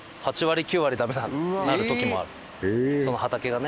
その畑がね。